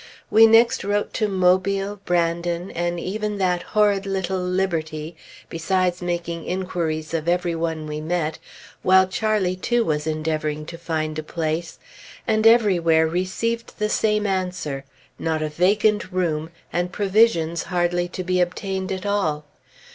We next wrote to Mobile, Brandon, and even that horrid little Liberty, besides making inquiries of every one we met, while Charlie, too, was endeavoring to find a place, and everywhere received the same answer not a vacant room, and provisions hardly to be obtained at all.